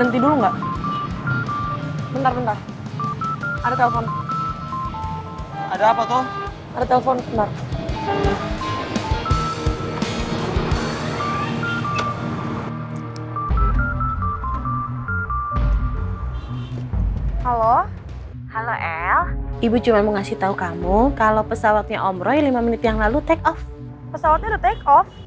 terima kasih mbak